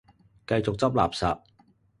繼續執垃圾